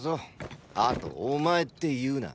あとお前って言うな。